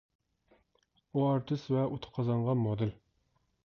ئۇ ئارتىس ۋە ئۇتۇق قازانغان مودېل.